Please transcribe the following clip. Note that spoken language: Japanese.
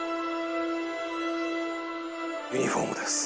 ユニホームです。